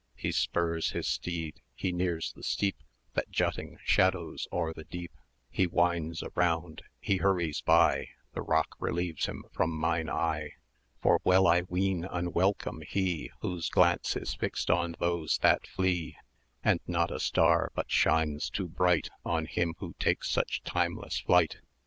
He spurs his steed; he nears the steep, That, jutting, shadows o'er the deep; He winds around; he hurries by; 210 The rock relieves him from mine eye; For, well I ween, unwelcome he Whose glance is fixed on those that flee; And not a star but shines too bright On him who takes such timeless flight.